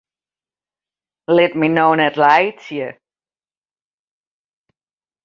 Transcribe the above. Lit my no net laitsje!